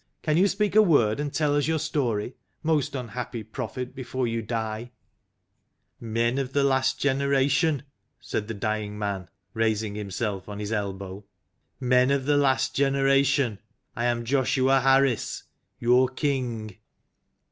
Can you speak a word and tell us your story, most unhappy prophet, before you die?" 28 THE LAST GENERATION " Men of the Last Generation," said the dying man, raising himself on his elbow " Men of the Last Generation, I am Joshua Harris, your King."